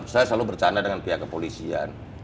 saya selalu bercanda dengan pihak kepolisian